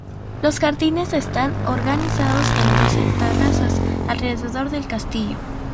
Los jardines están organizados en doce terrazas alrededor del castillo.